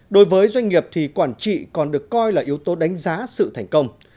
đối với doanh nghiệp thì quản trị còn được coi là yếu tố đánh giá sự thành công